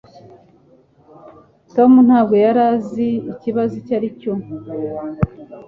Tom ntabwo yari azi ikibazo icyo aricyo